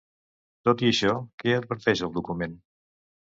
Tot i això, què adverteix el document?